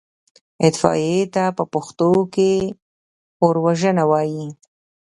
اطفائيې ته په پښتو کې اوروژنه وايي.